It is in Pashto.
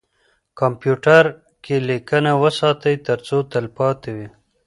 کمپیوتر کې لیکنه وساتئ ترڅو تلپاتې وي.